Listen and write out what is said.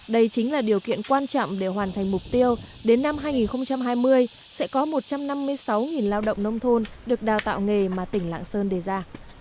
đây chính là điều kiện quan trọng để hoàn thành mục tiêu đến năm hai nghìn hai mươi sẽ có một trăm năm mươi sáu lao động nông thôn được đào tạo nghề mà tỉnh lạng sơn đề ra